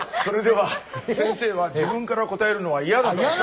それでは先生は自分から答えるのは嫌だと。